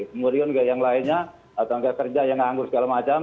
kemudian yang lainnya agar kerja yang anggur segala macam